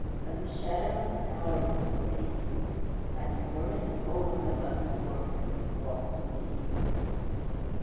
Under shadow and power of this weighty truth, I demurely took hold of my mother's forefinger to walk to meeting.